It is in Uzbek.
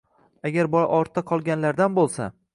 Agar bola “ortda qolganlardan” bo‘lsa